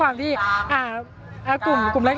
อย่างที่บอกไปว่าเรายังยึดในเรื่องของข้อ